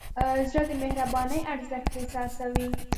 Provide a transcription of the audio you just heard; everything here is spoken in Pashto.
زړه د مهربانۍ ارزښت احساسوي.